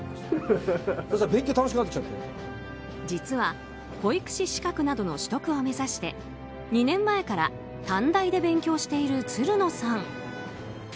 実は、保育士資格などの取得を目指して２年前から短大で勉強しているつるのさん。